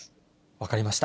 分かりました。